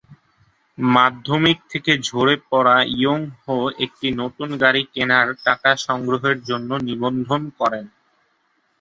মাধ্যমিক থেকে ঝরে পড়া ইয়ং-হো একটি নতুন গাড়ি কেনার টাকা সংগ্রহের জন্য নিবন্ধন করেন।